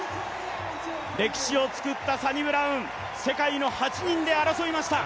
歴史を作ったサニブラウン、世界の８人で争いました。